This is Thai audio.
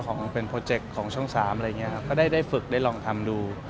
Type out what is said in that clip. นเป็นโพรเจ็คของช่องสามอะไรอย่างเงี้ยฝนได้ได้ฝึกด้วยลำทำดู